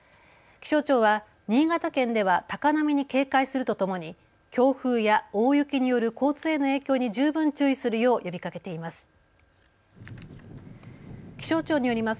気象庁は新潟県では高波に警戒するとともに強風や大雪による交通への影響に十分注意するよう呼びかけています。